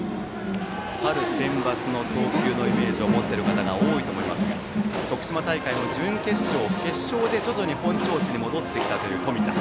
春センバツの投球のイメージを持っている方が多いと思いますが徳島大会の準決勝、決勝で徐々に本調子に戻ってきた冨田。